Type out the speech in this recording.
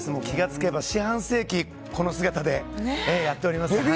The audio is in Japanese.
気がつけば四半世紀この姿でやっています。